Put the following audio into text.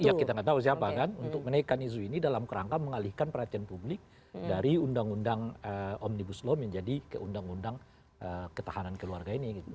ya kita gak tau siapa kan untuk menaikkan isu ini dalam rangka mengalihkan perhatian publik dari undang undang om dibuat menjadi ke undang undang ketahanan keluarga ini gitu